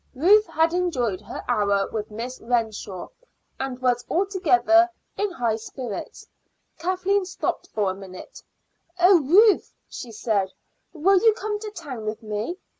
Ruth had enjoyed her hour with Miss Renshaw, and was altogether in high spirits. Kathleen stopped for a minute. "Oh, Ruth," she said, "will you come to town with me?